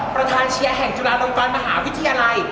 ประธานเชียร์แห่งจุฬาลงกรมหาวิทยาลัย